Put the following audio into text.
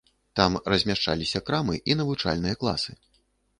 Там размяшчаліся крамы і навучальныя класы.